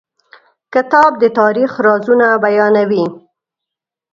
کتاب د تاریخ رازونه بیانوي.